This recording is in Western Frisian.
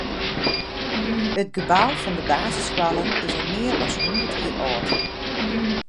It gebou fan de basisskoalle is al mear as hûndert jier âld.